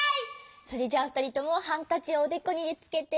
それじゃあふたりともハンカチをおでこにつけて。